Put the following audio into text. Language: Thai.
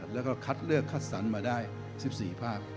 แล้วก็คัดเลือกคัดสรรมาได้๑๔ภาค